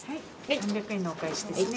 ３００円のお返しですね。